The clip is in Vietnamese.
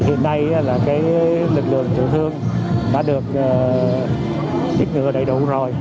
hiện nay là cái lực lượng tự thương đã được tiết ngừa đầy đủ rồi